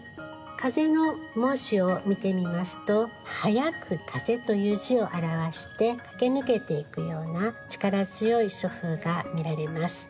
風の文字を見てみますと速く風という字を表して駆け抜けていくような力強い書風が見られます。